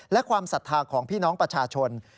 และความศรัทธาของพี่น้องประชาชน